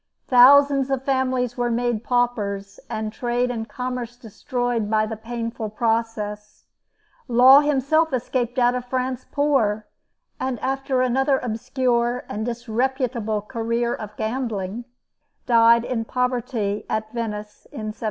Thousands of families were made paupers, and trade and commerce destroyed by the painful process. Law himself escaped out of France poor; and, after another obscure and disreputable career of gambling, died in poverty at Venice, in 1729.